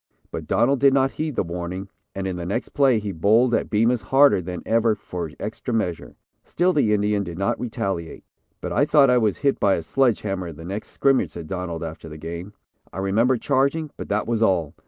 But Donald did not heed the warning, and in the next play he bowled at Bemus harder than ever for extra measure. Still the big Indian did not retaliate. "But I thought I was hit by a sledge hammer in the next scrimmage," said Donald after the game. "I remember charging, but that was all.